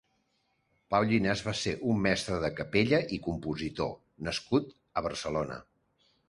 Pau Llinàs va ser un mestre de capella i compositor nascut a Barcelona.